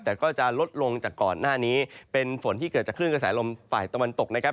แต่ก็จะลดลงจากก่อนหน้านี้เป็นฝนที่เกิดจากคลื่นกระแสลมฝ่ายตะวันตกนะครับ